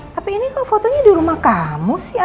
tapi ini kok fotonya di rumah kamu sih